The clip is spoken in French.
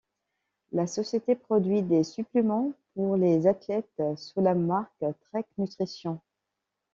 La société produit des suppléments pour les athlètes sous la marque Trec Nutrition.